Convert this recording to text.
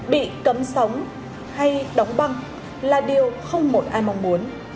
bị cấm sống hay đóng băng là điều không một ai mong muốn